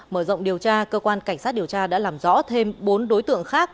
mở rộng điều tra cơ quan cảnh sát điều tra đã làm rõ thêm bốn đối tượng khác